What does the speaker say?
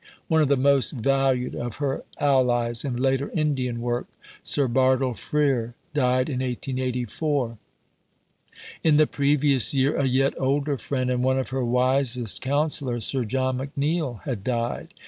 One of the most valued of her allies in later Indian work Sir Bartle Frere died in 1884. In the previous year a yet older friend, and one of her wisest counsellors Sir John McNeill had died.